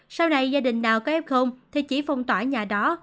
sau này gia đình nào có ép không thì chỉ phong tỏa nhà đó